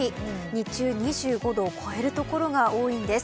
日中、２５度を超えるところが多いんです。